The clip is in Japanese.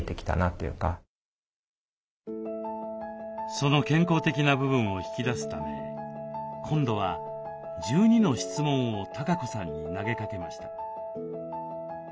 その健康的な部分を引き出すため今度は１２の質問をたかこさんに投げかけました。